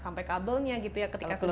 sampai kabelnya gitu ya ketika sudah